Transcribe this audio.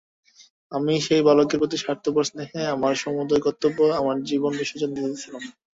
আমি সেই বালকের প্রতি স্বার্থপর স্নেহে আমার সমুদয় কর্তব্য আমার জীবন বিসর্জন দিতেছিলাম।